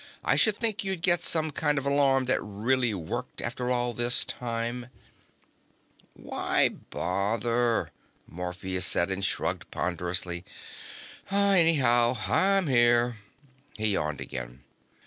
"I should think you'd get some kind of alarm that really worked, after all this time." "Why bother?" Morpheus said, and shrugged ponderously. "Anyhow, I'm here." He yawned again.